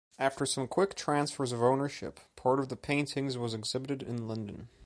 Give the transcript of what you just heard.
After some quick transfers of ownership, part of the paintings was exhibited in London.